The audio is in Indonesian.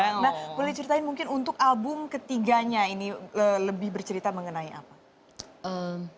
nah boleh ceritain mungkin untuk album ketiganya ini lebih bercerita mengenai apa